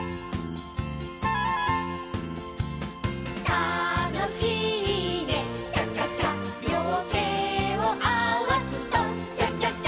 「たのしいねチャチャチャ」「両手を合わすとチャチャチャ」